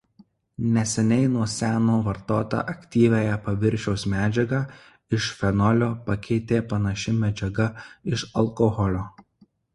Neseniai nuo seno vartotą aktyviąją paviršiaus medžiagą iš fenolio pakeitė panaši medžiaga iš alkoholio.